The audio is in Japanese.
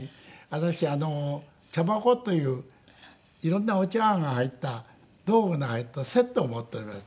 私茶箱という色んなお茶碗が入った道具の入ったセットを持っております。